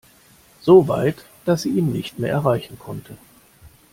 So weit, dass sie ihn nicht mehr erreichen konnte.